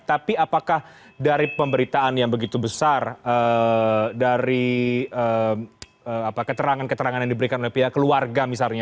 tapi apakah dari pemberitaan yang begitu besar dari keterangan keterangan yang diberikan oleh pihak keluarga misalnya